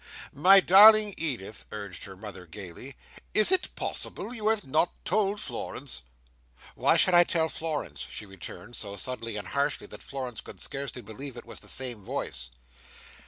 "My darling Edith," urged her mother, gaily, "is it possible you have not told Florence?" "Why should I tell Florence?" she returned, so suddenly and harshly, that Florence could scarcely believe it was the same voice.